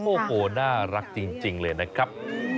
โอ้โหน่ารักจริงเลยนะครับ